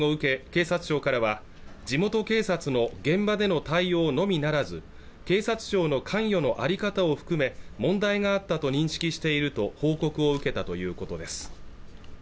警察庁からは地元警察の現場での対応のみならず警察庁の関与の在り方を含め問題があったと認識していると報告を受けたということです